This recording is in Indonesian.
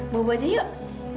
buat buat aja yuk